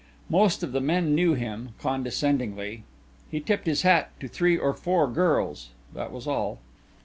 Most of the men knew him, condescendingly; he tipped his hat to three or four girls. That was all.